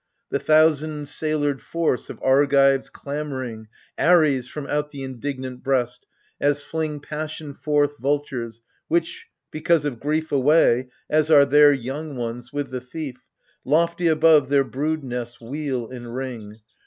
The thousand sailored force of Argives clamouring " Ares " from out the indignant breast, as fling Passion forth vultures which, because of grief Away, — as are their young ones, — with the thief. Lofty above their brood nests wheel in ring.